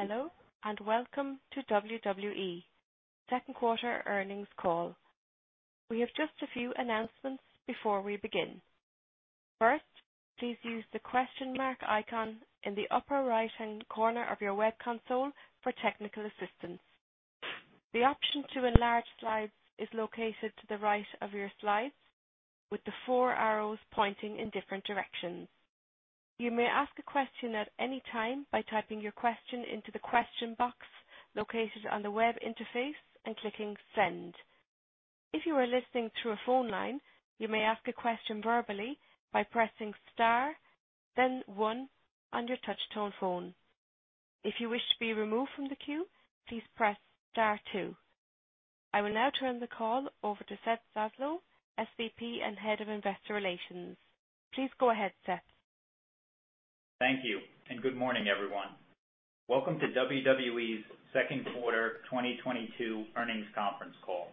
Hello, and welcome to WWE second quarter Earnings Call. We have just a few announcements before we begin. First, please use the question mark icon in the upper right hand corner of your web console for technical assistance. The option to enlarge slides is located to the right of your slides with the four arrows pointing in different directions. You may ask a question at any time by typing your question into the question box located on the web interface and clicking Send. If you are listening through a phone line, you may ask a question verbally by pressing Star, then one on your touchtone phone. If you wish to be removed from the queue, please press Star two. I will now turn the call over to Seth Zaslow, SVP and Head of Investor Relations. Please go ahead, Seth. Thank you and good morning, everyone. Welcome to WWE's second quarter 2022 earnings conference call.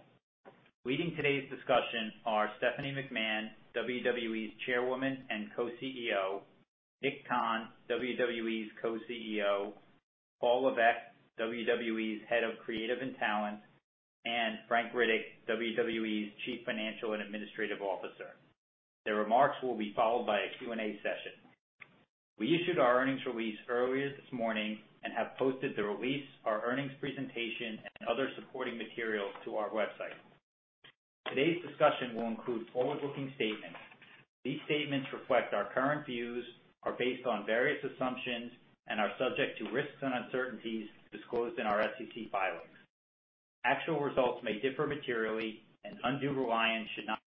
Leading today's discussion are Stephanie McMahon, WWE's Chairwoman and Co-CEO, Nick Khan, WWE's Co-CEO, Paul Levesque, WWE's Head of Creative and Talent, and Frank Riddick III, WWE's Chief Financial and Administrative Officer. The remarks will be followed by a Q&A session. We issued our earnings release earlier this morning and have posted the release, our earnings presentation and other supporting materials to our website. Today's discussion will include forward-looking statements. These statements reflect our current views, are based on various assumptions, and are subject to risks and uncertainties disclosed in our SEC filings. Actual results may differ materially, and undue reliance should not be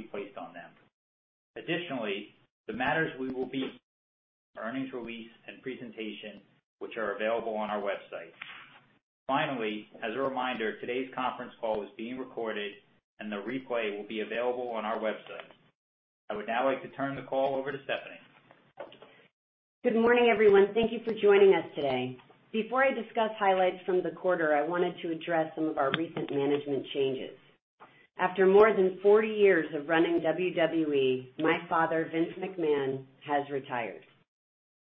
placed on them. Additionally, the matters we will be discussing are in the earnings release and presentation, which are available on our website. Finally, as a reminder, today's conference call is being recorded and the replay will be available on our website. I would now like to turn the call over to Stephanie. Good morning, everyone. Thank you for joining us today. Before I discuss highlights from the quarter, I wanted to address some of our recent management changes. After more than 40 years of running WWE, my father, Vince McMahon, has retired.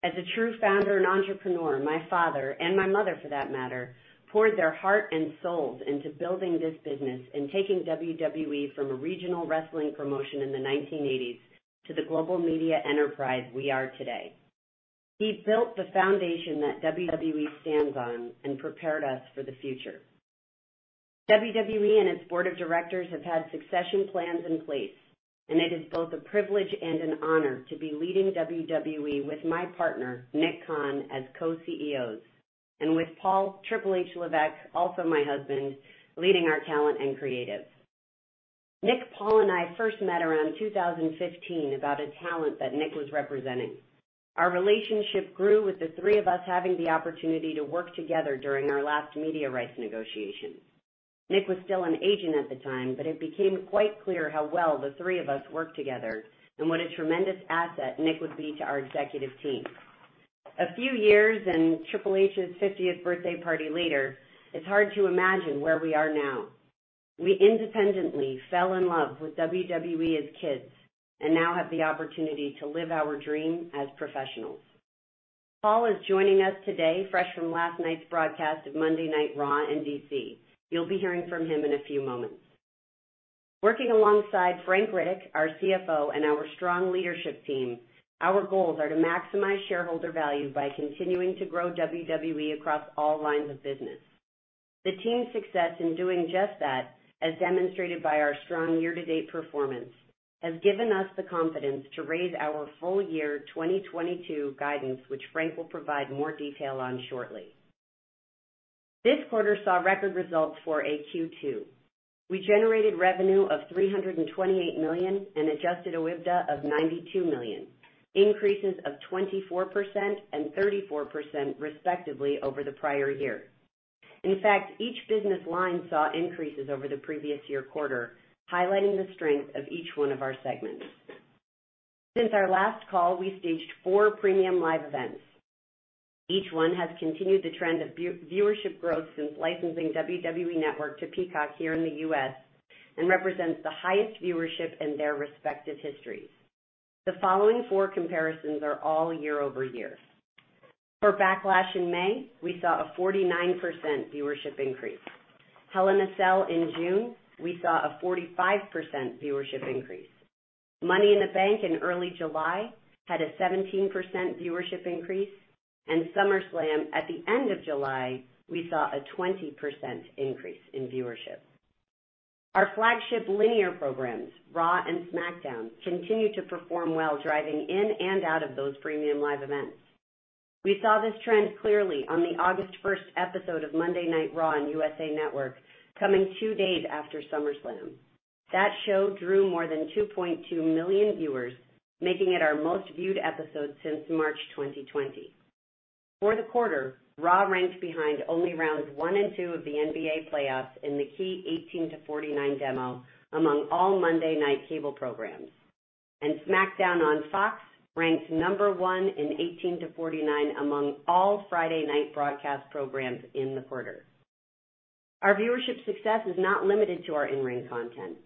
As a true founder and entrepreneur, my father, and my mother for that matter, poured their heart and souls into building this business and taking WWE from a regional wrestling promotion in the 1980s to the global media enterprise we are today. He built the foundation that WWE stands on and prepared us for the future. WWE and its board of directors have had succession plans in place, and it is both a privilege and an honor to be leading WWE with my partner, Nick Khan, as co-CEOs, and with Paul Triple H Levesque, also my husband, leading our talent and creative. Nick, Paul, and I first met around 2015 about a talent that Nick was representing. Our relationship grew with the three of us having the opportunity to work together during our last media rights negotiations. Nick was still an agent at the time, but it became quite clear how well the three of us worked together and what a tremendous asset Nick would be to our executive team. A few years and Triple H's 50th birthday party later, it's hard to imagine where we are now. We independently fell in love with WWE as kids and now have the opportunity to live our dream as professionals. Paul is joining us today fresh from last night's broadcast of Monday Night Raw in D.C. You'll be hearing from him in a few moments. Working alongside Frank Riddick, our CFO, and our strong leadership team, our goals are to maximize shareholder value by continuing to grow WWE across all lines of business. The team's success in doing just that, as demonstrated by our strong year-to-date performance, has given us the confidence to raise our full year 2022 guidance, which Frank will provide more detail on shortly. This quarter saw record results for a Q2. We generated revenue of $328 million and Adjusted OIBDA of $92 million, increases of 24% and 34% respectively over the prior year. In fact, each business line saw increases over the previous year quarter, highlighting the strength of each one of our segments. Since our last call, we staged four Premium Live Events. Each one has continued the trend of viewership growth since licensing WWE Network to Peacock here in the US and represents the highest viewership in their respective histories. The following four comparisons are all year-over-year. For Backlash in May, we saw a 49% viewership increase. Hell in a Cell in June, we saw a 45% viewership increase. Money in the Bank in early July had a 17% viewership increase. SummerSlam at the end of July, we saw a 20% increase in viewership. Our flagship linear programs, Raw and SmackDown, continue to perform well, driving in and out of those Premium Live Events. We saw this trend clearly on the August 1 episode of Monday Night Raw on USA Network, coming two days after SummerSlam. That show drew more than 2.2 million viewers, making it our most viewed episode since March 2020. For the quarter, Raw ranked behind only rounds one and two of the NBA playoffs in the key 18-49 demo among all Monday night cable programs. SmackDown on Fox ranked number one in 18-49 among all Friday night broadcast programs in the quarter. Our viewership success is not limited to our in-ring content.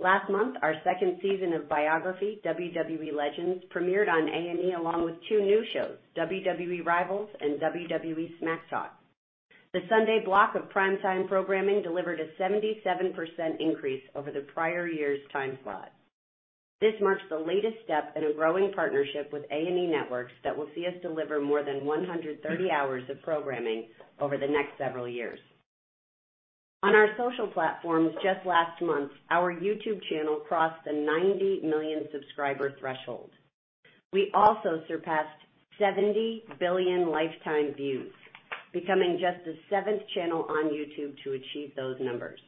Last month, our second season of Biography: WWE Legends premiered on A&E, along with two new shows, WWE Rivals and WWE Smack Talk. The Sunday block of primetime programming delivered a 77% increase over the prior year's time slot. This marks the latest step in a growing partnership with A&E Networks that will see us deliver more than 130 hours of programming over the next several years. On our social platforms just last month, our YouTube channel crossed the 90 million subscriber threshold. We also surpassed 70 billion lifetime views, becoming just the 7th channel on YouTube to achieve those numbers.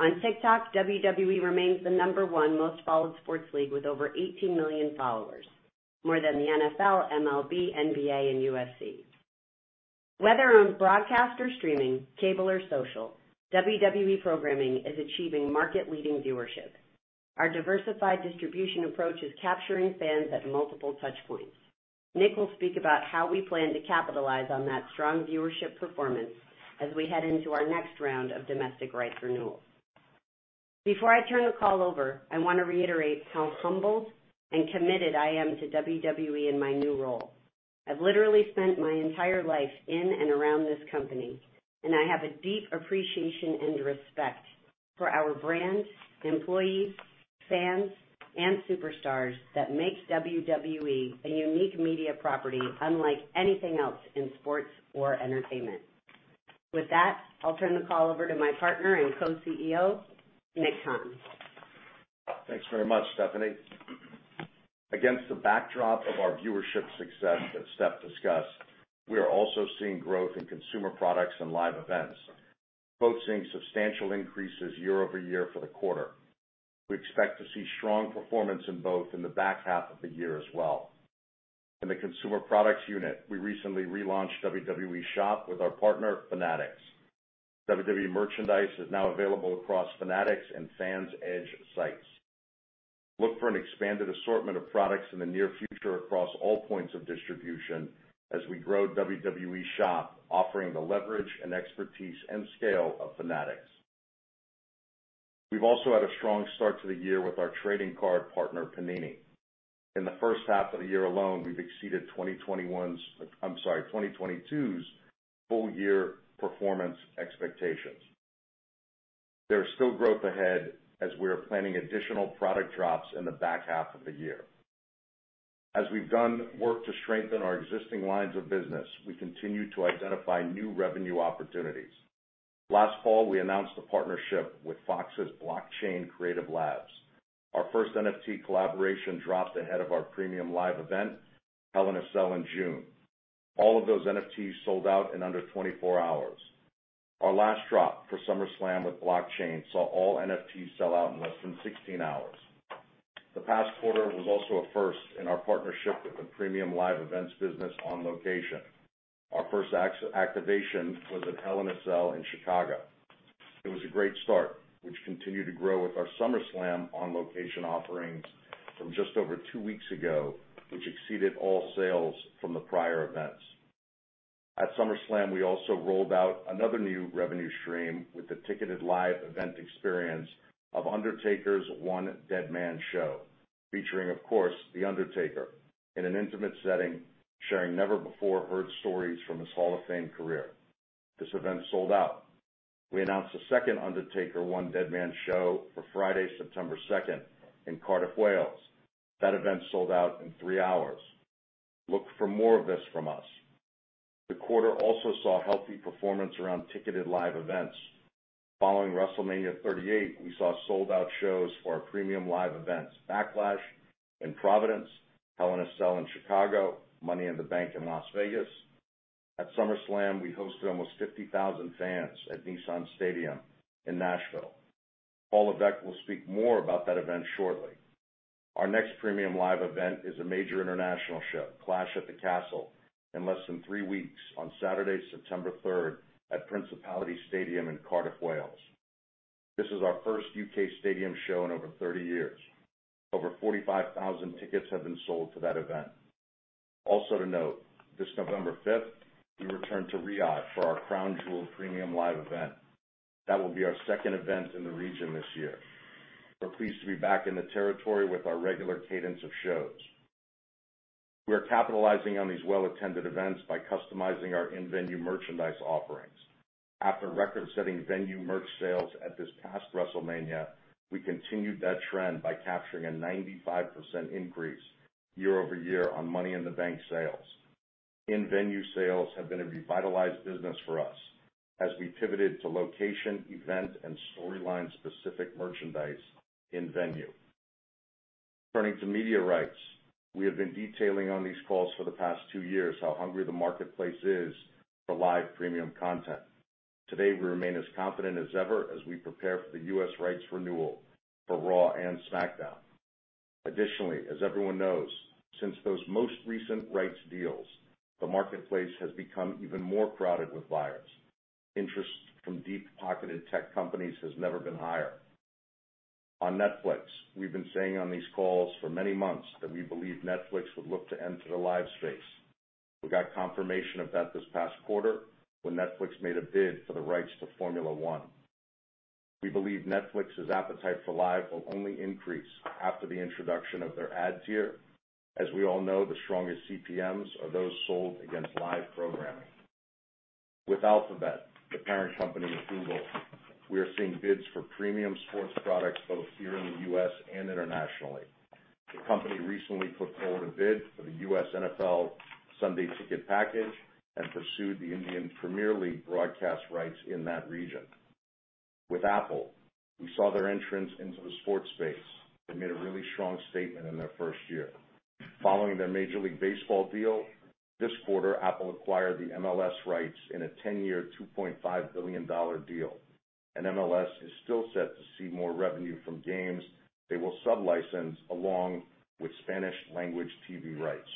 On TikTok, WWE remains the number one most followed sports league with over 18 million followers, more than the NFL, MLB, NBA, and UFC. Whether on broadcast or streaming, cable or social, WWE programming is achieving market-leading viewership. Our diversified distribution approach is capturing fans at multiple touch points. Nick will speak about how we plan to capitalize on that strong viewership performance as we head into our next round of domestic rights renewals. Before I turn the call over, I want to reiterate how humbled and committed I am to WWE in my new role. I've literally spent my entire life in and around this company, and I have a deep appreciation and respect for our brand, employees, fans, and superstars that makes WWE a unique media property unlike anything else in sports or entertainment. With that, I'll turn the call over to my partner and Co-CEO, Nick Khan. Thanks very much, Stephanie. Against the backdrop of our viewership success that Steph discussed, we are also seeing growth in consumer products and live events, both seeing substantial increases year-over-year for the quarter. We expect to see strong performance in both in the back half of the year as well. In the consumer products unit, we recently relaunched WWE Shop with our partner, Fanatics. WWE merchandise is now available across Fanatics and FansEdge sites. Look for an expanded assortment of products in the near future across all points of distribution as we grow WWE Shop, offering the leverage and expertise and scale of Fanatics. We've also had a strong start to the year with our trading card partner, Panini. In the first half of the year alone, we've exceeded 2022's full-year performance expectations. There is still growth ahead as we are planning additional product drops in the back half of the year. As we've done work to strengthen our existing lines of business, we continue to identify new revenue opportunities. Last fall, we announced a partnership with Fox's Blockchain Creative Labs. Our first NFT collaboration dropped ahead of our Premium Live Event, Hell in a Cell in June. All of those NFTs sold out in under 24 hours. Our last drop for SummerSlam with Blockchain saw all NFTs sell out in less than 16 hours. The past quarter was also a first in our partnership with the Premium Live Events business On Location. Our first activation was at Hell in a Cell in Chicago. It was a great start, which continued to grow with our SummerSlam On Location offerings from just over two weeks ago, which exceeded all sales from the prior events. At SummerSlam, we also rolled out another new revenue stream with the ticketed live event experience of Undertaker: 1 deadMAN SHOW, featuring, of course, The Undertaker in an intimate setting, sharing never before heard stories from his Hall of Fame career. This event sold out. We announced the second Undertaker: 1 deadMAN SHOW for Friday, September second in Cardiff, Wales. That event sold out in three hours. Look for more of this from us. The quarter also saw healthy performance around ticketed live events. Following WrestleMania 38, we saw sold-out shows for our premium live events, Backlash in Providence, Hell in a Cell in Chicago, Money in the Bank in Las Vegas. At SummerSlam, we hosted almost 50,000 fans at Nissan Stadium in Nashville. Paul Levesque will speak more about that event shortly. Our next premium live event is a major international show, Clash at the Castle, in less than three weeks on Saturday, September third at Principality Stadium in Cardiff, Wales. This is our first UK stadium show in over 30 years. Over 45,000 tickets have been sold to that event. Also to note, this November fifth, we return to Riyadh for our Crown Jewel premium live event. That will be our second event in the region this year. We're pleased to be back in the territory with our regular cadence of shows. We are capitalizing on these well-attended events by customizing our in-venue merchandise offerings. After record-setting venue merch sales at this past WrestleMania, we continued that trend by capturing a 95% increase year-over-year on Money in the Bank sales. In-venue sales have been a revitalized business for us as we pivoted to location, event, and storyline-specific merchandise in venue. Turning to media rights, we have been detailing on these calls for the past two years how hungry the marketplace is for live premium content. Today, we remain as confident as ever as we prepare for the US rights renewal for Raw and SmackDown. Additionally, as everyone knows, since those most recent rights deals, the marketplace has become even more crowded with buyers. Interest from deep-pocketed tech companies has never been higher. On Netflix, we've been saying on these calls for many months that we believe Netflix would look to enter the live space. We got confirmation of that this past quarter when Netflix made a bid for the rights to Formula One. We believe Netflix's appetite for live will only increase after the introduction of their ad tier. As we all know, the strongest CPMs are those sold against live programming. With Alphabet, the parent company of Google, we are seeing bids for premium sports products both here in the US and internationally. The company recently put forward a bid for the US NFL Sunday Ticket package and pursued the Indian Premier League broadcast rights in that region. With Apple, we saw their entrance into the sports space. They made a really strong statement in their first year. Following their Major League Baseball deal, this quarter, Apple acquired the MLS rights in a 10-year, $2.5 billion deal, and MLS is still set to see more revenue from games they will sublicense along with Spanish language TV rights.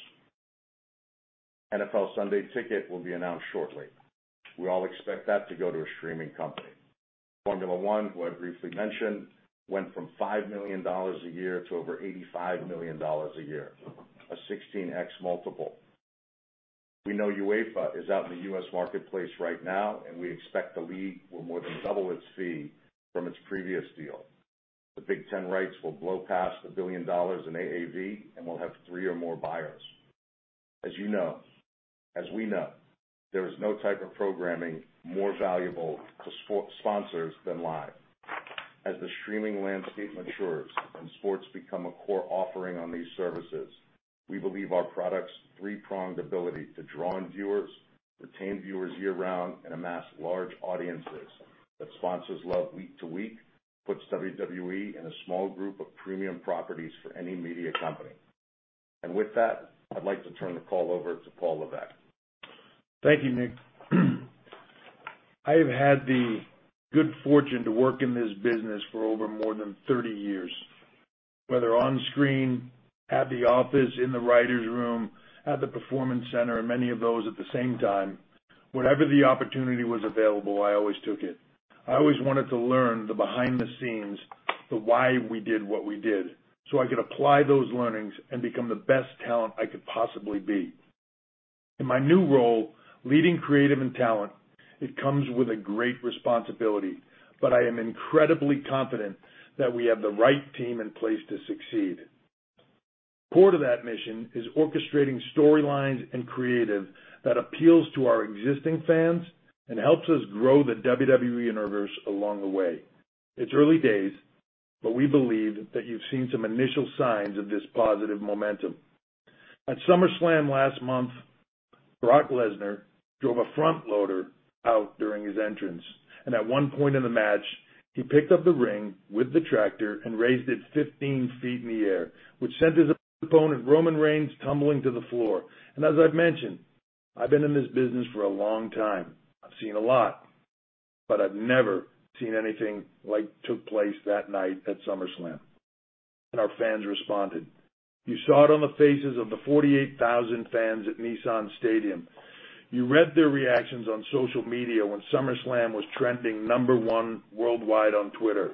NFL Sunday Ticket will be announced shortly. We all expect that to go to a streaming company. Formula One, who I briefly mentioned, went from $5 million a year to over $85 million a year, a 16x multiple. We know UEFA is out in the US marketplace right now, and we expect the league will more than double its fee from its previous deal. The Big Ten rights will blow past $1 billion in AAV and will have three or more buyers. As you know, as we know, there is no type of programming more valuable to sponsors than live. As the streaming landscape matures and sports become a core offering on these services, we believe our product's three-pronged ability to draw in viewers, retain viewers year-round, and amass large audiences that sponsors love week to week puts WWE in a small group of premium properties for any media company. With that, I'd like to turn the call over to Paul Levesque. Thank you, Nick. I have had the good fortune to work in this business for over more than 30 years, whether on screen, at the office, in the writers' room, at the performance center, and many of those at the same time. Wherever the opportunity was available, I always took it. I always wanted to learn the behind the scenes, the why we did what we did, so I could apply those learnings and become the best talent I could possibly be. In my new role, leading creative and talent, it comes with a great responsibility, but I am incredibly confident that we have the right team in place to succeed. Core to that mission is orchestrating storylines and creative that appeals to our existing fans and helps us grow the WWE Universe along the way. It's early days, but we believe that you've seen some initial signs of this positive momentum. At SummerSlam last month, Brock Lesnar drove a front loader out during his entrance, and at one point in the match, he picked up the ring with the tractor and raised it 15 feet in the air, which sent his opponent, Roman Reigns, tumbling to the floor. As I've mentioned, I've been in this business for a long time. I've seen a lot, but I've never seen anything like took place that night at SummerSlam. Our fans responded. You saw it on the faces of the 48,000 fans at Nissan Stadium. You read their reactions on social media when SummerSlam was trending number one worldwide on Twitter.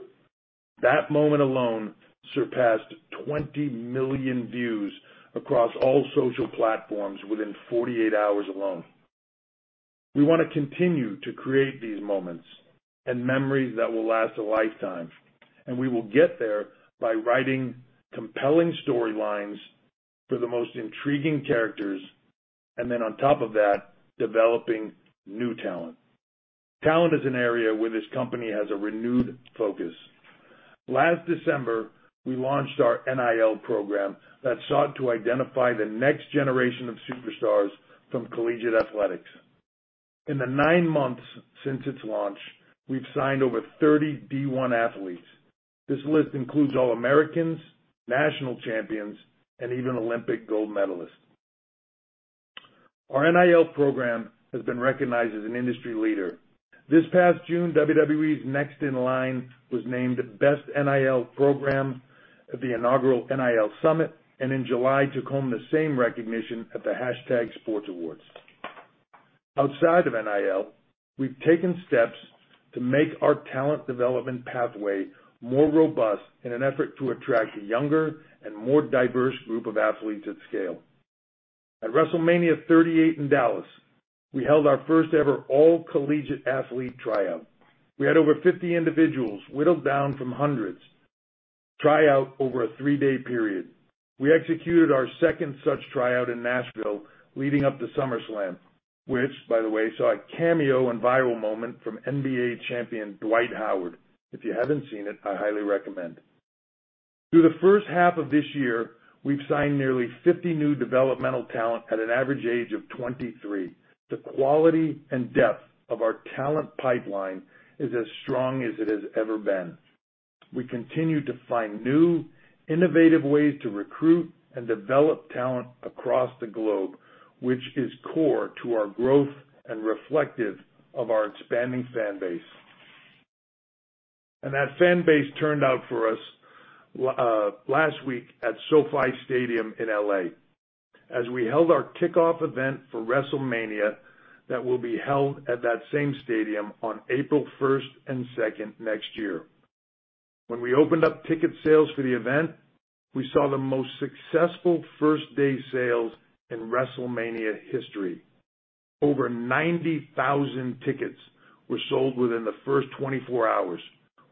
That moment alone surpassed 20 million views across all social platforms within 48 hours alone. We wanna continue to create these moments and memories that will last a lifetime, and we will get there by writing compelling storylines for the most intriguing characters, and then on top of that, developing new talent. Talent is an area where this company has a renewed focus. Last December, we launched our NIL program that sought to identify the next generation of superstars from collegiate athletics. In the nine months since its launch, we've signed over 30 D1 athletes. This list includes All-Americans, national champions, and even Olympic gold medalists. Our NIL program has been recognized as an industry leader. This past June, WWE's Next in Line was named best NIL program at the inaugural NIL Summit, and in July, took home the same recognition at the Hashtag Sports Awards. Outside of NIL, we've taken steps to make our talent development pathway more robust in an effort to attract a younger and more diverse group of athletes at scale. At WrestleMania 38 in Dallas, we held our first-ever all-collegiate athlete tryout. We had over 50 individuals whittled down from hundreds try out over a 3-day period. We executed our second such tryout in Nashville leading up to SummerSlam, which, by the way, saw a cameo and viral moment from NBA champion Dwight Howard. If you haven't seen it, I highly recommend. Through the first half of this year, we've signed nearly 50 new developmental talent at an average age of 23. The quality and depth of our talent pipeline is as strong as it has ever been. We continue to find new, innovative ways to recruit and develop talent across the globe, which is core to our growth and reflective of our expanding fan base. That fan base turned out for us last week at SoFi Stadium in L.A. As we held our kickoff event for WrestleMania, that will be held at that same stadium on April first and second next year. When we opened up ticket sales for the event, we saw the most successful first-day sales in WrestleMania history. Over 90,000 tickets were sold within the first 24 hours,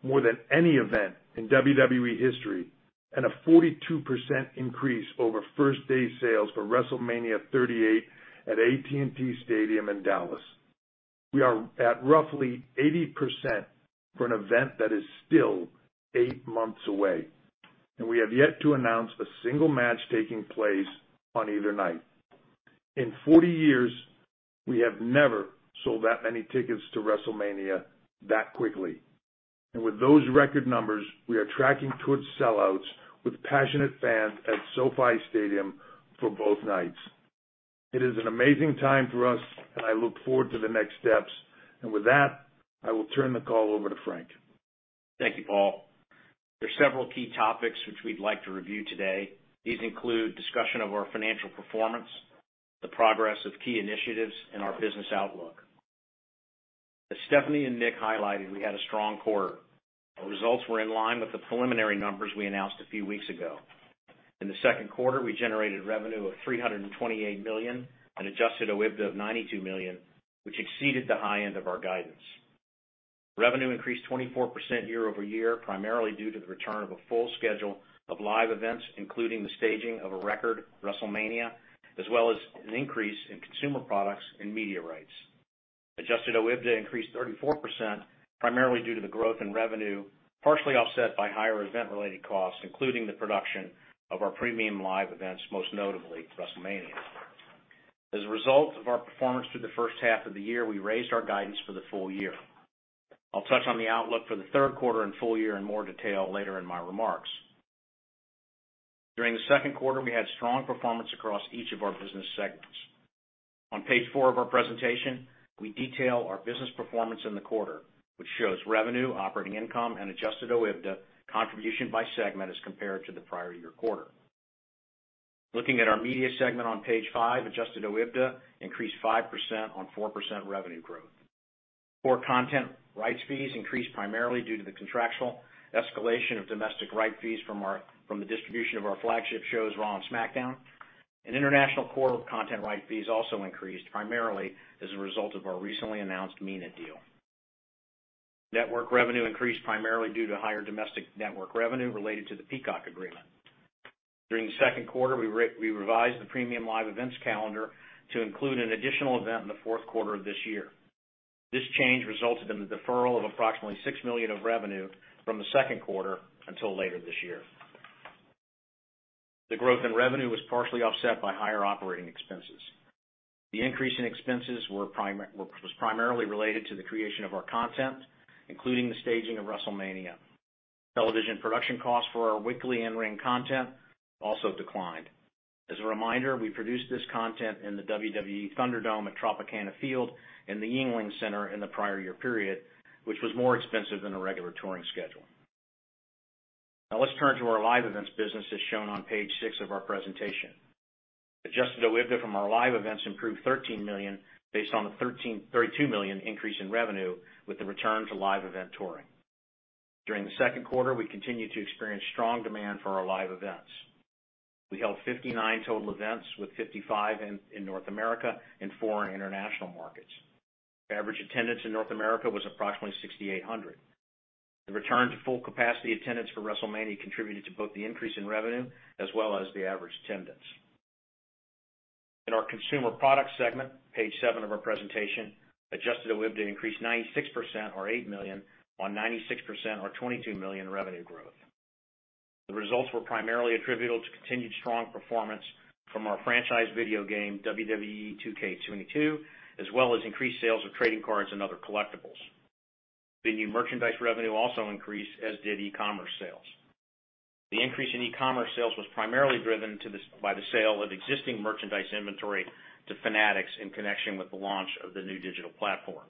more than any event in WWE history, and a 42% increase over first-day sales for WrestleMania 38 at AT&T Stadium in Dallas. We are at roughly 80% for an event that is still eight months away, and we have yet to announce a single match taking place on either night. In 40 years, we have never sold that many tickets to WrestleMania that quickly. With those record numbers, we are tracking towards sellouts with passionate fans at SoFi Stadium for both nights. It is an amazing time for us, and I look forward to the next steps. With that, I will turn the call over to Frank Riddick III. Thank you, Paul. There are several key topics which we'd like to review today. These include discussion of our financial performance, the progress of key initiatives, and our business outlook. As Stephanie and Nick highlighted, we had a strong quarter. Our results were in line with the preliminary numbers we announced a few weeks ago. In the second quarter, we generated revenue of $328 million on Adjusted OIBDA of $92 million, which exceeded the high end of our guidance. Revenue increased 24% year-over-year, primarily due to the return of a full schedule of live events, including the staging of a record WrestleMania, as well as an increase in consumer products and media rights. Adjusted OIBDA increased 34%, primarily due to the growth in revenue, partially offset by higher event-related costs, including the production of our premium live events, most notably WrestleMania. As a result of our performance through the first half of the year, we raised our guidance for the full year. I'll touch on the outlook for the third quarter and full year in more detail later in my remarks. During the second quarter, we had strong performance across each of our business segments. On page four of our presentation, we detail our business performance in the quarter, which shows revenue, operating income, and Adjusted OIBDA contribution by segment as compared to the prior year quarter. Looking at our media segment on page five, Adjusted OIBDA increased 5% on 4% revenue growth. Core content rights fees increased primarily due to the contractual escalation of domestic rights fees from the distribution of our flagship shows, Raw and SmackDown, and international core content rights fees also increased primarily as a result of our recently announced MENA deal. Network revenue increased primarily due to higher domestic network revenue related to the Peacock agreement. During the second quarter, we revised the premium live events calendar to include an additional event in the fourth quarter of this year. This change resulted in the deferral of approximately $6 million of revenue from the second quarter until later this year. The growth in revenue was partially offset by higher operating expenses. The increase in expenses was primarily related to the creation of our content, including the staging of WrestleMania. Television production costs for our weekly in-ring content also declined. As a reminder, we produced this content in the WWE ThunderDome at Tropicana Field and the Yuengling Center in the prior year period, which was more expensive than a regular touring schedule. Now let's turn to our live events business as shown on page 6 of our presentation. Adjusted OIBDA from our live events improved $13 million based on the $32 million increase in revenue with the return to live event touring. During the second quarter, we continued to experience strong demand for our live events. We held 59 total events, with 55 in North America and four in international markets. Average attendance in North America was approximately 6,800. The return to full capacity attendance for WrestleMania contributed to both the increase in revenue as well as the average attendance. In our consumer products segment, page seven of our presentation, adjusted OIBDA increased 96% or $8 million on 96% or $22 million revenue growth. The results were primarily attributable to continued strong performance from our franchise video game, WWE 2K22, as well as increased sales of trading cards and other collectibles. Venue merchandise revenue also increased as did e-commerce sales. The increase in e-commerce sales was primarily driven by the sale of existing merchandise inventory to Fanatics in connection with the launch of the new digital platform.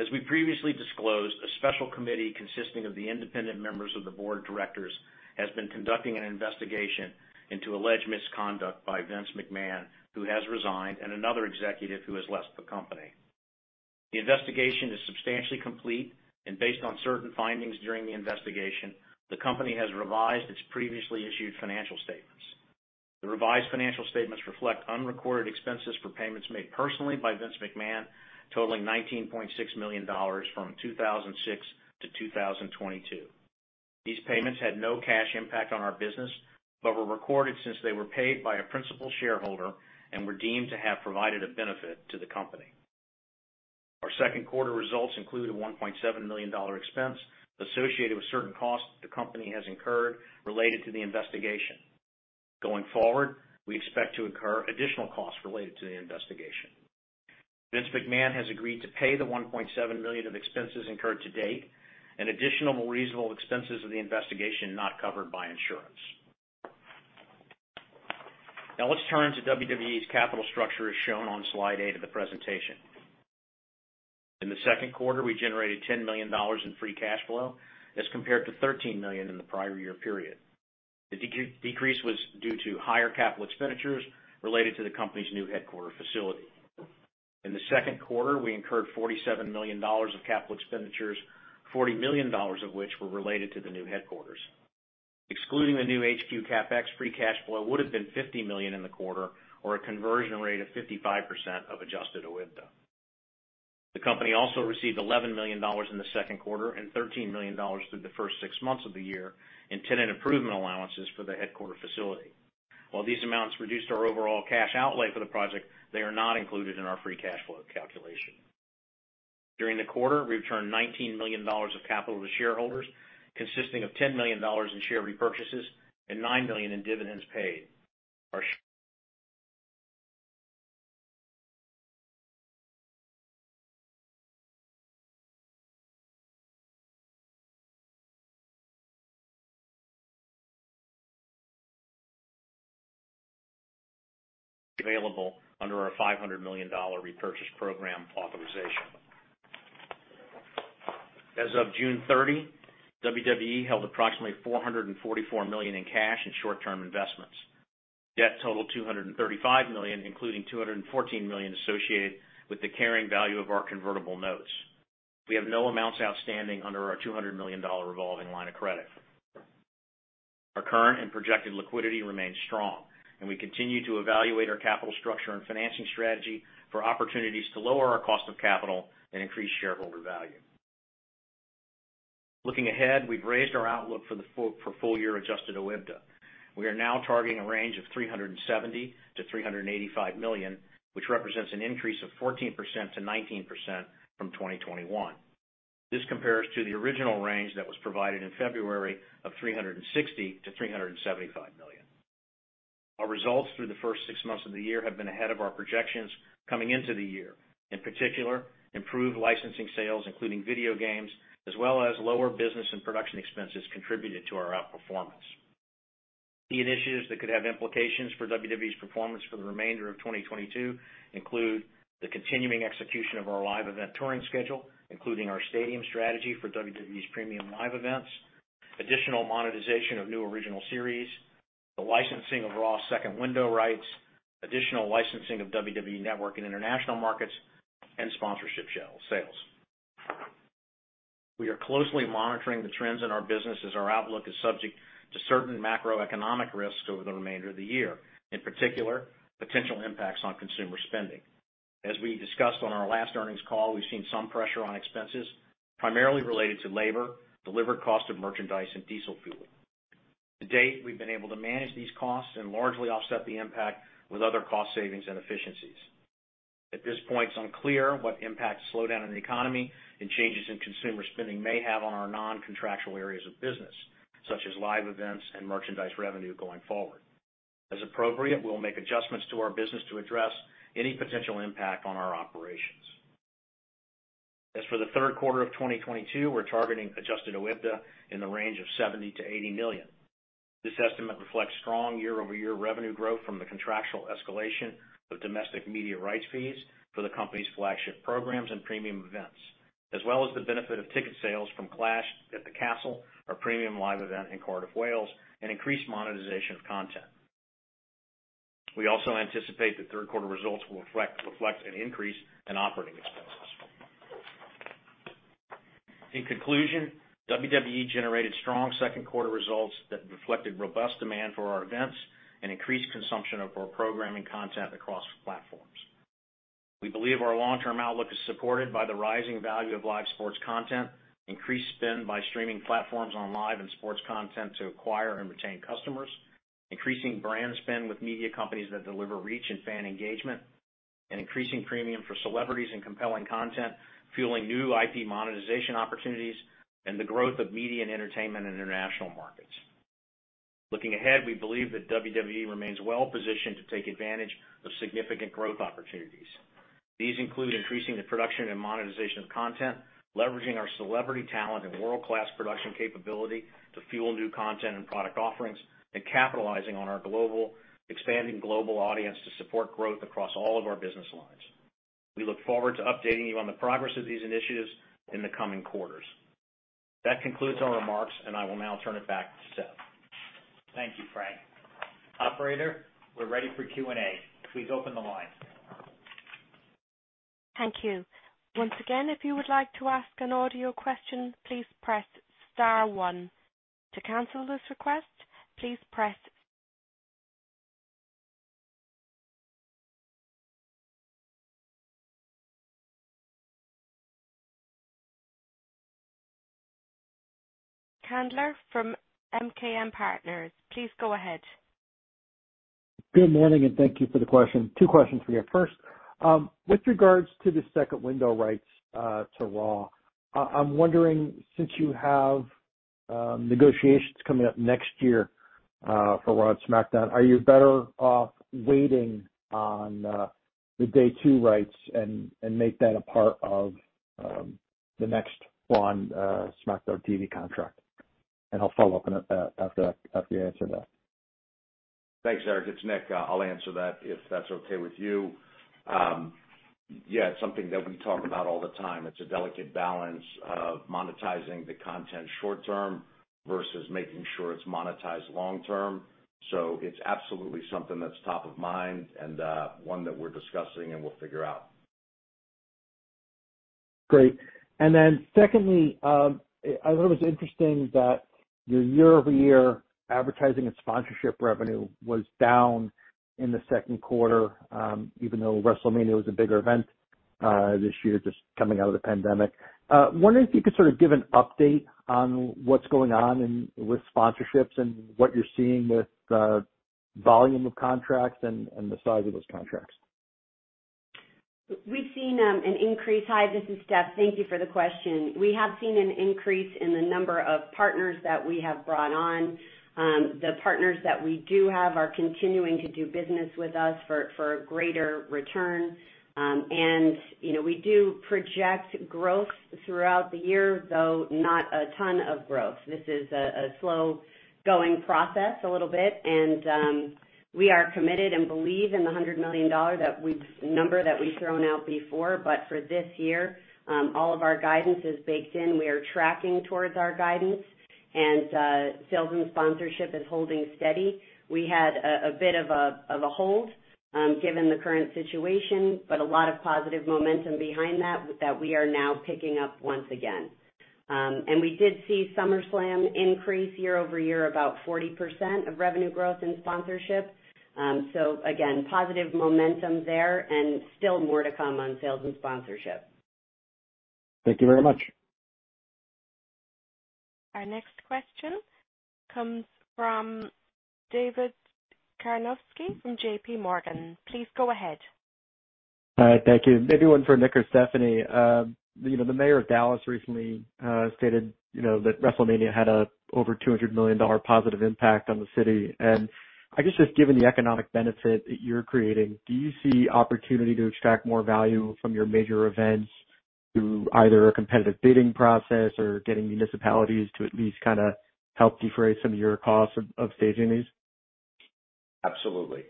As we previously disclosed, a special committee consisting of the independent members of the board of directors has been conducting an investigation into alleged misconduct by Vince McMahon, who has resigned, and another executive who has left the company. The investigation is substantially complete, and based on certain findings during the investigation, the company has revised its previously issued financial statements. The revised financial statements reflect unrecorded expenses for payments made personally by Vince McMahon, totaling $19.6 million from 2006 to 2022. These payments had no cash impact on our business, but were recorded since they were paid by a principal shareholder and were deemed to have provided a benefit to the company. Our second quarter results include a $1.7 million expense associated with certain costs the company has incurred related to the investigation. Going forward, we expect to incur additional costs related to the investigation. Vince McMahon has agreed to pay the $1.7 million of expenses incurred to date and additional reasonable expenses of the investigation not covered by insurance. Now let's turn to WWE's capital structure, as shown on slide 8 of the presentation. In the second quarter, we generated $10 million in free cash flow as compared to $13 million in the prior year period. The decrease was due to higher capital expenditures related to the company's new headquarters facility. In the second quarter, we incurred $47 million of capital expenditures, $40 million of which were related to the new headquarters. Excluding the new HQ CapEx, free cash flow would have been $50 million in the quarter or a conversion rate of 55% of Adjusted OIBDA. The company also received $11 million in the second quarter and $13 million through the first six months of the year in tenant improvement allowances for the headquarters facility. While these amounts reduced our overall cash outlay for the project, they are not included in our free cash flow calculation. During the quarter, we returned $19 million of capital to shareholders, consisting of $10 million in share repurchases and $9 million in dividends paid. Available under our $500 million repurchase program authorization. As of June 30, WWE held approximately $444 million in cash and short-term investments. Debt totaled $235 million, including $214 million associated with the carrying value of our convertible notes. We have no amounts outstanding under our $200 million revolving line of credit. Our current and projected liquidity remains strong, and we continue to evaluate our capital structure and financing strategy for opportunities to lower our cost of capital and increase shareholder value. Looking ahead, we've raised our outlook for full year Adjusted OIBDA. We are now targeting a range of $370 million-$385 million, which represents an increase of 14%-19% from 2021. This compares to the original range that was provided in February of $360 million-$375 million. Our results through the first six months of the year have been ahead of our projections coming into the year. In particular, improved licensing sales, including video games, as well as lower business and production expenses contributed to our outperformance. Key initiatives that could have implications for WWE's performance for the remainder of 2022 include the continuing execution of our live event touring schedule, including our stadium strategy for WWE's premium live events, additional monetization of new original series, the licensing of Raw second window rights, additional licensing of WWE Network in international markets, and sponsorship shell sales. We are closely monitoring the trends in our business as our outlook is subject to certain macroeconomic risks over the remainder of the year, in particular, potential impacts on consumer spending. As we discussed on our last earnings call, we've seen some pressure on expenses primarily related to labor, delivered cost of merchandise, and diesel fuel. To date, we've been able to manage these costs and largely offset the impact with other cost savings and efficiencies. At this point, it's unclear what impact slowdown in the economy and changes in consumer spending may have on our non-contractual areas of business, such as live events and merchandise revenue going forward. As appropriate, we'll make adjustments to our business to address any potential impact on our operations. As for the third quarter of 2022, we're targeting Adjusted OIBDA in the range of $70 million-$80 million. This estimate reflects strong year-over-year revenue growth from the contractual escalation of domestic media rights fees for the company's flagship programs and premium events, as well as the benefit of ticket sales from Clash at the Castle, our premium live event in Cardiff, Wales, and increased monetization of content. We also anticipate that third quarter results will reflect an increase in operating expenses. In conclusion, WWE generated strong second quarter results that reflected robust demand for our events and increased consumption of our programming content across platforms. We believe our long-term outlook is supported by the rising value of live sports content, increased spend by streaming platforms on live and sports content to acquire and retain customers, increasing brand spend with media companies that deliver reach and fan engagement, and increasing premium for celebrities and compelling content, fueling new IP monetization opportunities and the growth of media and entertainment in international markets. Looking ahead, we believe that WWE remains well positioned to take advantage of significant growth opportunities. These include increasing the production and monetization of content, leveraging our celebrity talent and world-class production capability to fuel new content and product offerings, and capitalizing on our expanding global audience to support growth across all of our business lines. We look forward to updating you on the progress of these initiatives in the coming quarters. That concludes our remarks, and I will now turn it back to Seth. Thank you, Frank. Operator, we're ready for Q&A. Please open the line. Thank you. Once again, if you would like to ask an audio question, please press star one. To cancel this request, please press. Eric Handler from Roth MKM, please go ahead. Good morning, and thank you for the question. Two questions for you. First, with regards to the second window rights to Raw, I'm wondering, since you have negotiations coming up next year for Raw and SmackDown, are you better off waiting on the day two rights and make that a part of the next Raw and SmackDown TV contract? I'll follow up on that after you answer that. Thanks, Eric. It's Nick. I'll answer that if that's okay with you. Yeah, it's something that we talk about all the time. It's a delicate balance of monetizing the content short term versus making sure it's monetized long term. It's absolutely something that's top of mind and one that we're discussing and we'll figure out. Great. Secondly, I thought it was interesting that your year-over-year advertising and sponsorship revenue was down in the second quarter, even though WrestleMania was a bigger event, this year, just coming out of the pandemic. Wondering if you could sort of give an update on what's going on and with sponsorships and what you're seeing with the volume of contracts and the size of those contracts? We've seen an increase. Hi, this is Stephanie. Thank you for the question. We have seen an increase in the number of partners that we have brought on. The partners that we do have are continuing to do business with us for greater return. You know, we do project growth throughout the year, though not a ton of growth. This is a slow-going process a little bit. We are committed and believe in the $100 million number that we've thrown out before. For this year, all of our guidance is baked in. We are tracking towards our guidance. Sales and sponsorship is holding steady. We had a bit of a hold given the current situation, but a lot of positive momentum behind that that we are now picking up once again. We did see SummerSlam increase year-over-year about 40% of revenue growth in sponsorship. Again, positive momentum there and still more to come on sales and sponsorship. Thank you very much. Our next question comes from David Karnovsky from JP Morgan. Please go ahead. All right. Thank you. Maybe one for Nick or Stephanie. You know, the mayor of Dallas recently stated, you know, that WrestleMania had over $200 million positive impact on the city. I guess just given the economic benefit that you're creating, do you see opportunity to extract more value from your major events through either a competitive bidding process or getting municipalities to at least kinda help defray some of your costs of staging these? Absolutely.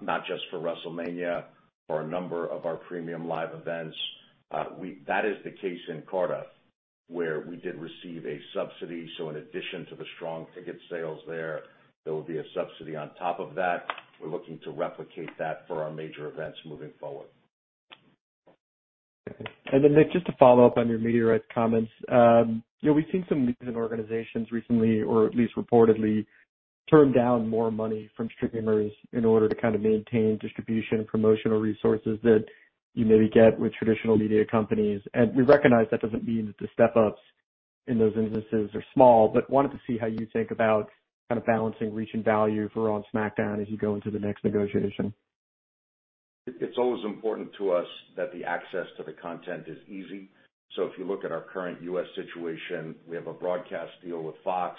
Not just for WrestleMania, for a number of our Premium Live Events. That is the case in Cardiff, where we did receive a subsidy. In addition to the strong ticket sales there will be a subsidy on top of that. We're looking to replicate that for our major events moving forward. Nick, just to follow up on your media rights comments. We've seen some news of organizations recently, or at least reportedly, turn down more money from streamers in order to kind of maintain distribution and promotional resources that you maybe get with traditional media companies. We recognize that doesn't mean that the step-ups in those instances are small, but wanted to see how you think about kind of balancing reach and value for Raw and SmackDown as you go into the next negotiation. It's always important to us that the access to the content is easy. If you look at our current US situation, we have a broadcast deal with Fox,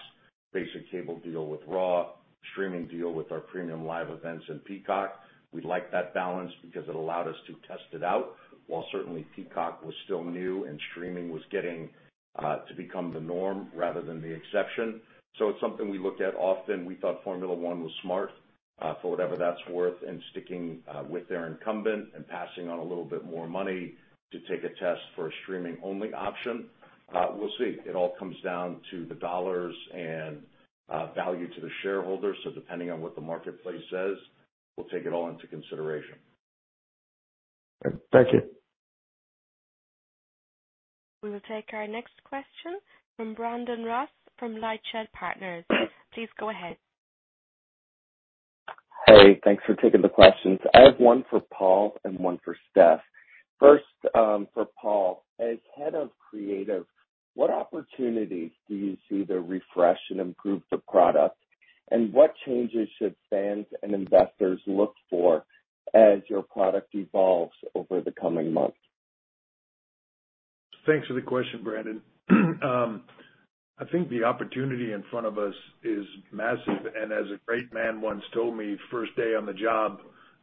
basic cable deal with Raw, streaming deal with our Premium Live Events in Peacock. We like that balance because it allowed us to test it out, while certainly Peacock was still new and streaming was getting to become the norm rather than the exception. It's something we look at often. We thought Formula One was smart, for whatever that's worth, in sticking with their incumbent and passing on a little bit more money to take a test for a streaming-only option. We'll see. It all comes down to the dollars and value to the shareholders. Depending on what the marketplace says, we'll take it all into consideration. Thank you. We will take our next question from Brandon Ross from LightShed Partners. Please go ahead. Hey, thanks for taking the questions. I have one for Paul and one for Steph. First, for Paul. As Head of Creative, what opportunities do you see to refresh and improve the product? What changes should fans and investors look for as your product evolves over the coming months? Thanks for the question, Brandon. I think the opportunity in front of us is massive, and as a great man once told me, first day on the job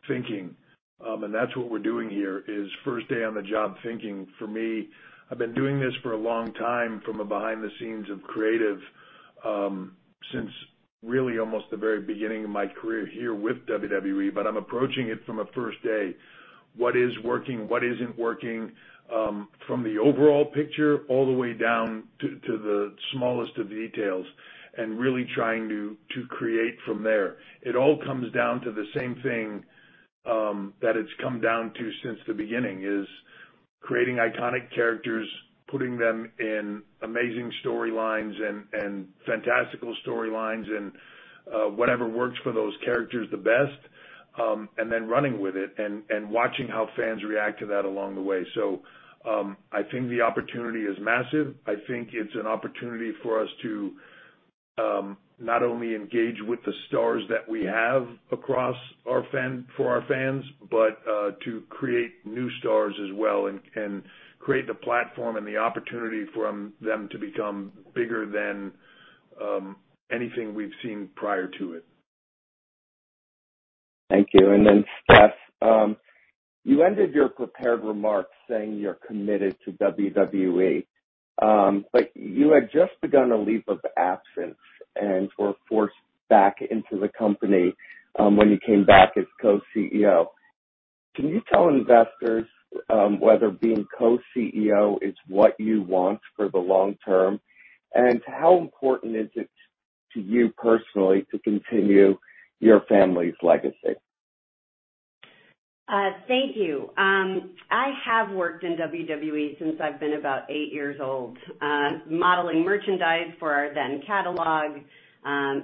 thinking, and that's what we're doing here, is first day on the job thinking. For me, I've been doing this for a long time from behind the scenes of creative, since really almost the very beginning of my career here with WWE, but I'm approaching it from a first day. What is working, what isn't working, from the overall picture all the way down to the smallest of details, and really trying to create from there. It all comes down to the same thing that it's come down to since the beginning, is creating iconic characters, putting them in amazing storylines and fantastical storylines and whatever works for those characters the best, and then running with it and watching how fans react to that along the way. I think the opportunity is massive. I think it's an opportunity for us to not only engage with the stars that we have across our fans, but to create new stars as well and create the platform and the opportunity for them to become bigger than anything we've seen prior to it. Thank you. Then Stephanie, you ended your prepared remarks saying you're committed to WWE. You had just begun a leave of absence and were forced back into the company, when you came back as co-CEO. Can you tell investors, whether being co-CEO is what you want for the long term? How important is it to you personally to continue your family's legacy? Thank you. I have worked in WWE since I've been about eight years old, modeling merchandise for our then catalog,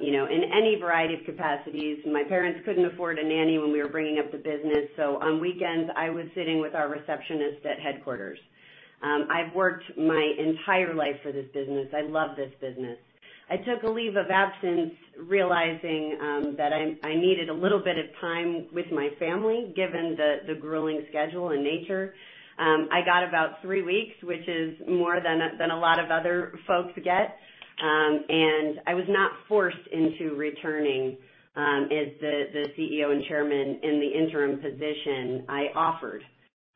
you know, in any variety of capacities. My parents couldn't afford a nanny when we were bringing up the business, so on weekends, I was sitting with our receptionist at headquarters. I've worked my entire life for this business. I love this business. I took a leave of absence realizing that I needed a little bit of time with my family, given the grueling schedule and nature. I got about three weeks, which is more than a lot of other folks get. I was not forced into returning as the CEO and chairman in the interim position I offered.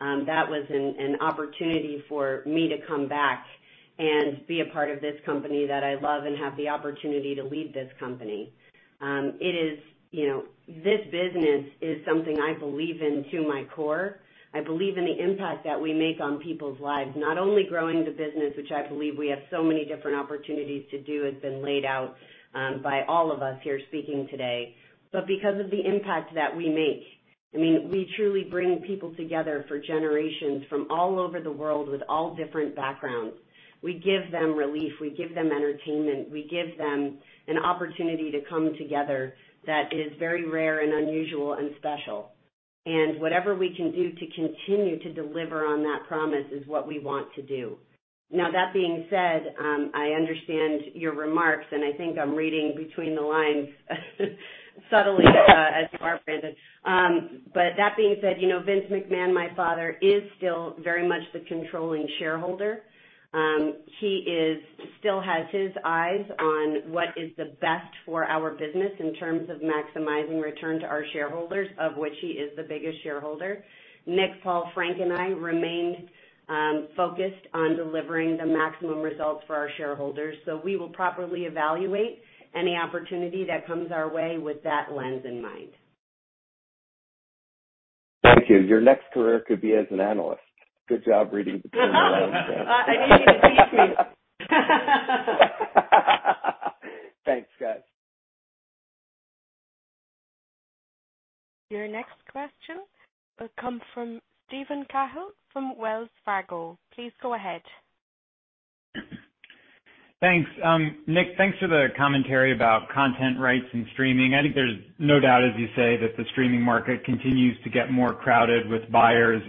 That was an opportunity for me to come back and be a part of this company that I love and have the opportunity to lead this company. It is, you know, this business is something I believe in to my core. I believe in the impact that we make on people's lives, not only growing the business, which I believe we have so many different opportunities to do, has been laid out, by all of us here speaking today, but because of the impact that we make. I mean, we truly bring people together for generations from all over the world with all different backgrounds. We give them relief, we give them entertainment, we give them an opportunity to come together that is very rare and unusual and special. Whatever we can do to continue to deliver on that promise is what we want to do. Now, that being said, I understand your remarks, and I think I'm reading between the lines subtly, as you are, Brandon. That being said, you know, Vince McMahon, my father, is still very much the controlling shareholder. He still has his eyes on what is the best for our business in terms of maximizing return to our shareholders, of which he is the biggest shareholder. Nick, Paul, Frank, and I remain focused on delivering the maximum results for our shareholders. We will properly evaluate any opportunity that comes our way with that lens in mind. Thank you. Your next career could be as an analyst. Good job reading between the lines. I need to speak to you. Thanks, guys. Your next question will come from Steven Cahall from Wells Fargo. Please go ahead. Thanks. Nick, thanks for the commentary about content rights and streaming. I think there's no doubt, as you say, that the streaming market continues to get more crowded with buyers.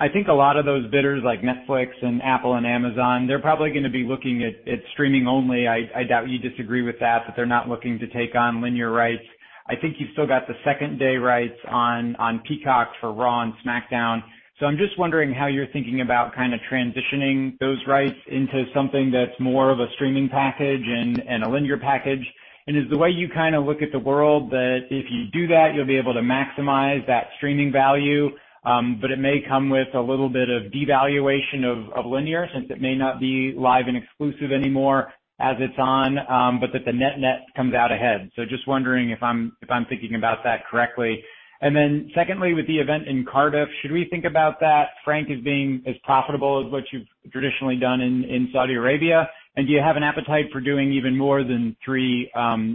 I think a lot of those bidders, like Netflix and Apple and Amazon, they're probably gonna be looking at streaming only. I doubt you disagree with that, but they're not looking to take on linear rights. I think you've still got the second-day rights on Peacock for Raw and SmackDown. I'm just wondering how you're thinking about kind of transitioning those rights into something that's more of a streaming package and a linear package. Is the way you kind of look at the world that if you do that, you'll be able to maximize that streaming value, but it may come with a little bit of devaluation of linear since it may not be live and exclusive anymore as it's on, but that the net-net comes out ahead. Just wondering if I'm thinking about that correctly. Then secondly, with the event in Cardiff, should we think about that, Frank, as being as profitable as what you've traditionally done in Saudi Arabia? Do you have an appetite for doing even more than three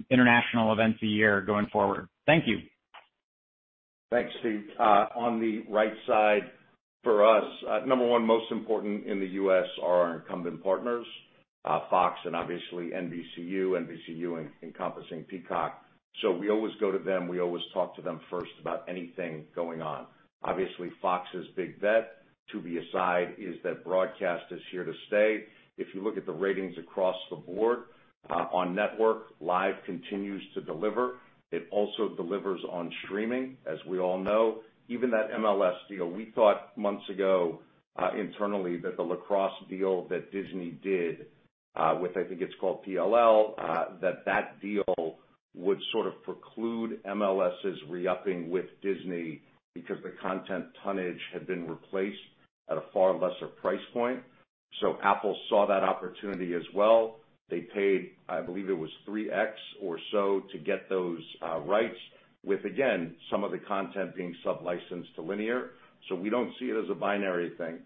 international events a year going forward? Thank you. Thanks, Steven. On the right side for us, number one most important in the US are our incumbent partners, Fox and obviously NBCU. NBCU encompassing Peacock. We always go to them, we always talk to them first about anything going on. Obviously, Fox's big bet, to be sure, is that broadcast is here to stay. If you look at the ratings across the board, on network, live continues to deliver. It also delivers on streaming, as we all know. Even that MLS deal, we thought months ago, internally that the lacrosse deal that Disney did, with I think it's called PLL, that deal would sort of preclude MLS's re-upping with Disney because the content tonnage had been replaced at a far lesser price point. Apple saw that opportunity as well. They paid, I believe it was 3x or so to get those rights with again, some of the content being sub-licensed to linear. We don't see it as a binary thing.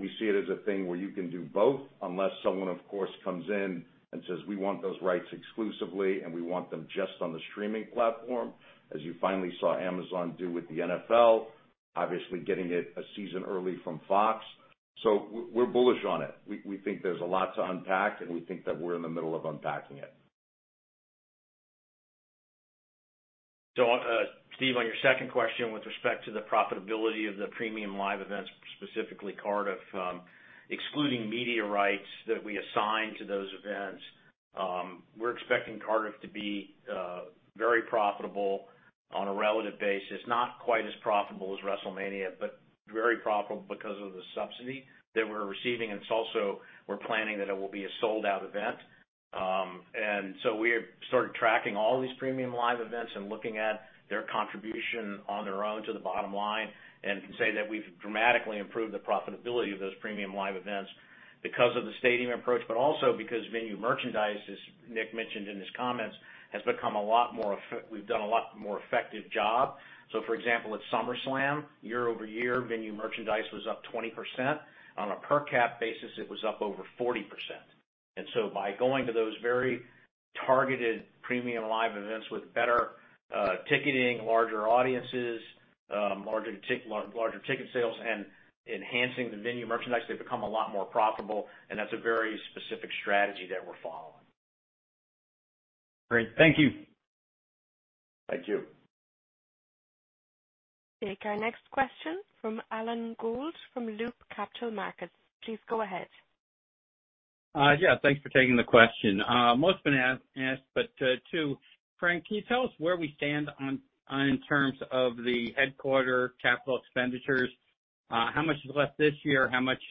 We see it as a thing where you can do both unless someone, of course, comes in and says, "We want those rights exclusively, and we want them just on the streaming platform," as you finally saw Amazon do with the NFL, obviously getting it a season early from Fox. We're bullish on it. We think there's a lot to unpack, and we think that we're in the middle of unpacking it. Steve, on your second question, with respect to the profitability of the Premium Live Events, specifically Cardiff, excluding media rights that we assign to those events, we're expecting Cardiff to be very profitable on a relative basis. Not quite as profitable as WrestleMania, but very profitable because of the subsidy that we're receiving. It's also we're planning that it will be a sold-out event. We started tracking all these premium live events and looking at their contribution on their own to the bottom line, and can say that we've dramatically improved the profitability of those premium live events because of the stadium approach, but also because venue merchandise, as Nick mentioned in his comments, has become a lot more effective job. For example, at SummerSlam, year-over-year, venue merchandise was up 20%. On a per cap basis, it was up over 40%. By going to those very targeted premium live events with better ticketing, larger audiences, larger ticket sales, and enhancing the venue merchandise, they become a lot more profitable, and that's a very specific strategy that we're following. Great. Thank you. Thank you. Take our next question from Alan Gould from Loop Capital Markets. Please go ahead. Yeah, thanks for taking the question. Most asked, but two. Frank, can you tell us where we stand on in terms of the headquarters capital expenditures? How much is left this year? How much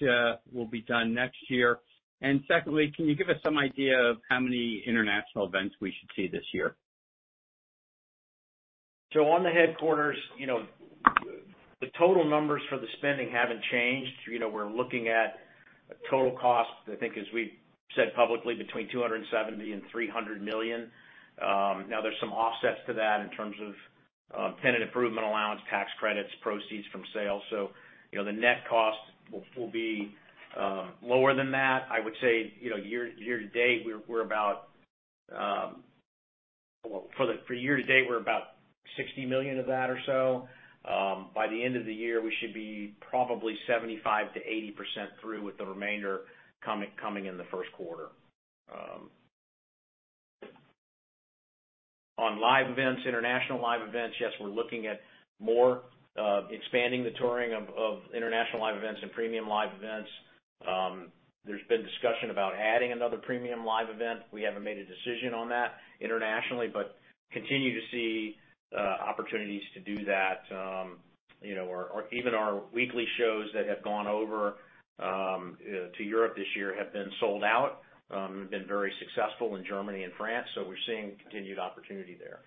will be done next year? Secondly, can you give us some idea of how many international events we should see this year? On the headquarters, you know, the total numbers for the spending haven't changed. You know, we're looking at a total cost, I think, as we've said publicly, between $270 million and $300 million. Now there's some offsets to that in terms of, tenant improvement allowance, tax credits, proceeds from sales. You know, the net cost will be lower than that. I would say, you know, year to date, we're about $60 million of that or so. By the end of the year, we should be probably 75%-80% through, with the remainder coming in the first quarter. On live events, international live events, yes, we're looking at expanding the touring of international live events and premium live events. There's been discussion about adding another premium live event. We haven't made a decision on that internationally, but continue to see opportunities to do that. You know, or even our weekly shows that have gone over to Europe this year have been sold out, have been very successful in Germany and France, so we're seeing continued opportunity there.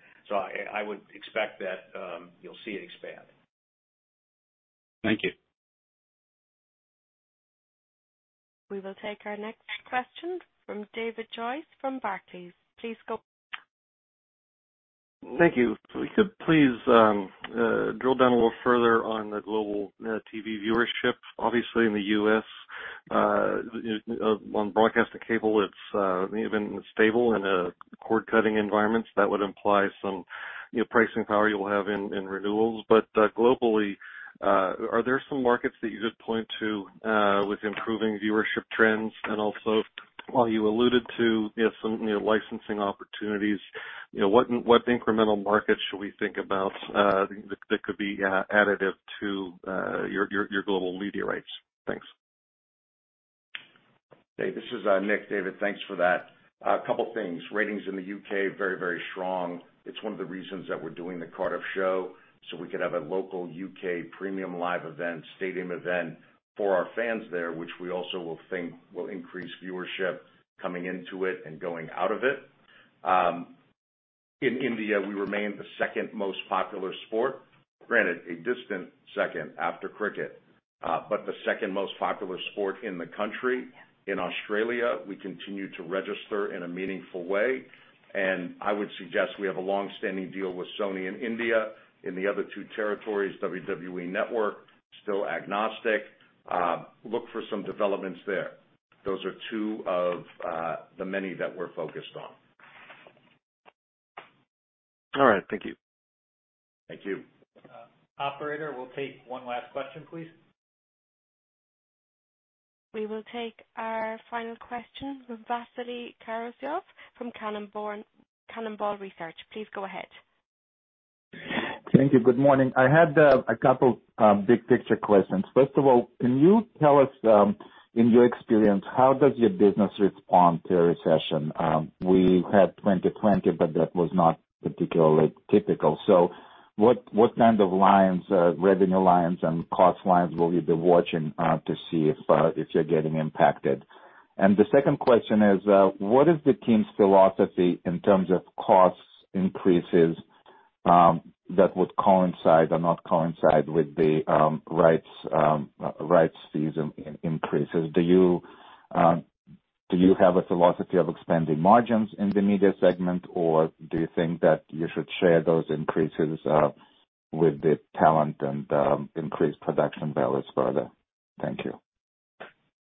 I would expect that you'll see it expand. Thank you. We will take our next question from David Joyce from Barclays. Please go ahead. Thank you. If you could please, drill down a little further on the global TV viewership. Obviously, in the US, on broadcast to cable, it's been stable in a cord-cutting environment. That would imply some, you know, pricing power you'll have in renewals. Globally, are there some markets that you could point to, with improving viewership trends? Also, while you alluded to, you know, some, you know, licensing opportunities, you know, what incremental markets should we think about, that could be, additive to, your global media rights? Thanks. Hey, this is Nick. David, thanks for that. A couple things. Ratings in the UK, very, very strong. It's one of the reasons that we're doing the Cardiff show, so we could have a local UK premium live event, stadium event for our fans there, which we also will think will increase viewership coming into it and going out of it. In India, we remain the second most popular sport. Granted, a distant second after cricket, but the second most popular sport in the country. In Australia, we continue to register in a meaningful way, and I would suggest we have a long-standing deal with Sony in India. In the other two territories, WWE Network, still agnostic. Look for some developments there. Those are two of the many that we're focused on. All right. Thank you. Thank you. Operator, we'll take one last question, please. We will take our final question from Vasily Karasyov from Cannonball Research. Please go ahead. Thank you. Good morning. I had a couple big picture questions. First of all, can you tell us in your experience, how does your business respond to a recession? We had 2020, but that was not particularly typical. What kind of revenue lines and cost lines will you be watching to see if you're getting impacted? The second question is, what is the team's philosophy in terms of cost increases that would coincide or not coincide with the rights fees increases? Do you have a philosophy of expanding margins in the media segment, or do you think that you should share those increases with the talent and increase production budgets further? Thank you.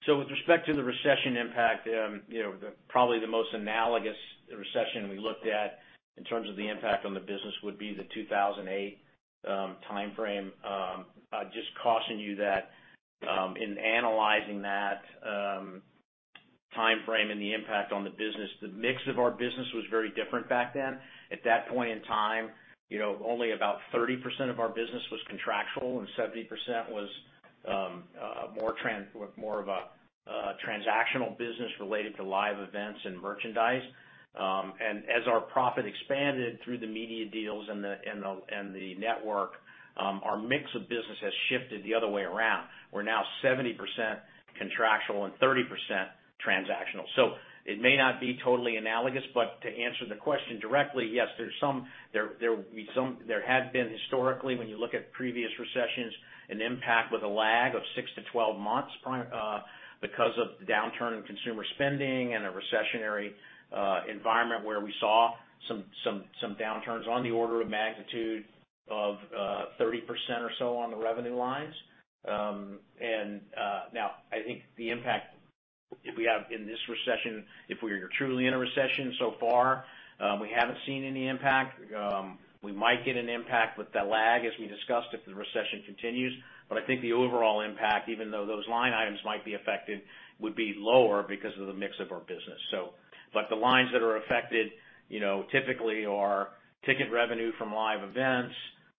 With respect to the recession impact, you know, probably the most analogous recession we looked at in terms of the impact on the business would be the 2008 timeframe. I'd just caution you that, in analyzing that timeframe and the impact on the business, the mix of our business was very different back then. At that point in time, you know, only about 30% of our business was contractual and 70% was with more of a transactional business related to live events and merchandise. As our profit expanded through the media deals and the network, our mix of business has shifted the other way around. We're now 70% contractual and 30% transactional. It may not be totally analogous, but to answer the question directly, yes, there will be some. There have been historically, when you look at previous recessions, an impact with a lag of 6-12 months because of the downturn in consumer spending and a recessionary environment where we saw some downturns on the order of magnitude of 30% or so on the revenue lines. Now I think the impact, if we have in this recession, if we are truly in a recession so far, we haven't seen any impact. We might get an impact with that lag as we discussed, if the recession continues. I think the overall impact, even though those line items might be affected, would be lower because of the mix of our business. The lines that are affected, you know, typically are ticket revenue from live events,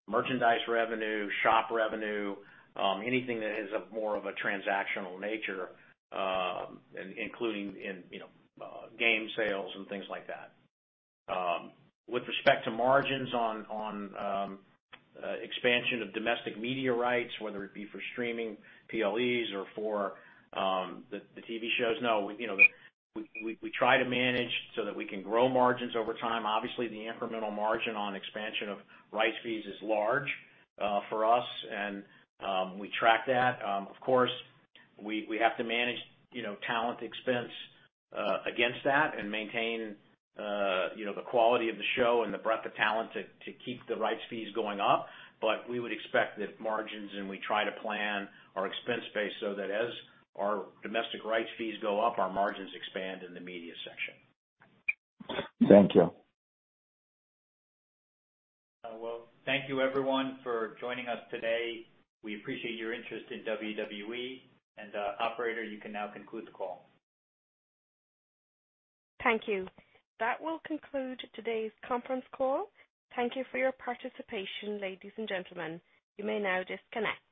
merchandise revenue, shop revenue, anything that is of more of a transactional nature, including, you know, game sales and things like that. With respect to margins on expansion of domestic media rights, whether it be for streaming PLEs or for the TV shows. No, we, you know, we try to manage so that we can grow margins over time. Obviously, the incremental margin on expansion of rights fees is large, for us, and we track that. Of course, we have to manage, you know, talent expense, against that and maintain, you know, the quality of the show and the breadth of talent to keep the rights fees going up. We would expect that margins, and we try to plan our expense base so that as our domestic rights fees go up, our margins expand in the media section. Thank you. Well, thank you everyone for joining us today. We appreciate your interest in WWE. Operator, you can now conclude the call. Thank you. That will conclude today's conference call. Thank you for your participation, ladies and gentlemen. You may now disconnect.